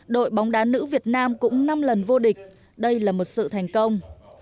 đội bóng đá nữ việt nam cũng năm lần vô địch đây là một sự thành công